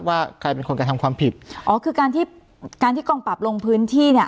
ว่าใครเป็นคนกระทำความผิดอ๋อคือการที่การที่กองปราบลงพื้นที่เนี้ย